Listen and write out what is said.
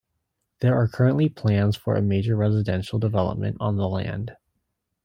There are currently plans for a major residential development on the land.